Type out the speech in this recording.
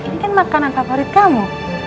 ini kan makanan favorit kamu